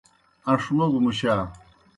اَن٘ݜ موگوْ مُشا۔